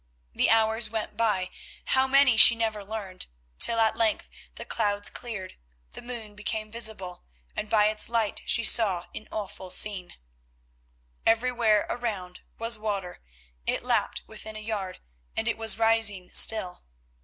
The hours went by, how many, she never learned, till at length the clouds cleared; the moon became visible, and by its light she saw an awful scene. Everywhere around was water; it lapped within a yard, and it was rising still.